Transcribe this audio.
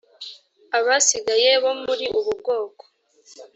abasigaye bo muri ubu bwoko